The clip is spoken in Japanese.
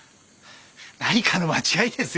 何かの間違いですよ。